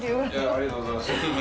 ありがとうございます。